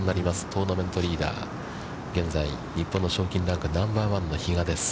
トーナメントリーダー、現在、日本の賞金ランクナンバーワンの比嘉です。